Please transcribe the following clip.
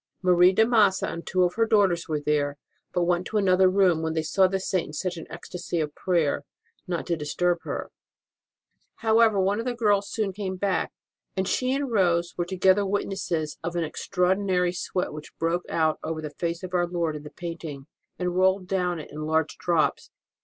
Marie de Massa and two of her daughters were there, but went into another room when they saw the Saint in such an ecstasy of prayer, not to dis turb her. However, one of the girls soon came back, and she and Rose were together witnesses of an extraordinary sweat which broke out over the face of our Lord in the painting, and rolled down it in large drops.